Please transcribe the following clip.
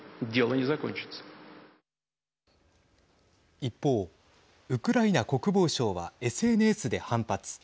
一方、ウクライナ国防省はＳＮＳで反発。